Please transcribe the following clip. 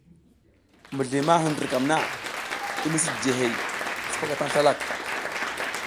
Mizli ma hindrikam na i misi jiji hey, sipaka tan slalak.